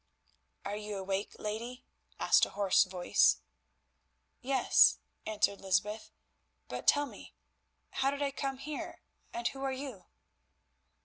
"Are you awake, lady?" asked a hoarse voice. "Yes," answered Lysbeth, "but tell me, how did I come here, and who are you?"